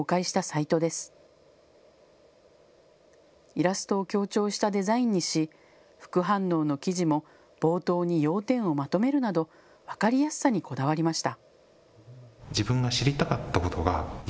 イラストを強調したデザインにし副反応の記事も冒頭に要点をまとめるなど分かりやすさにこだわりました。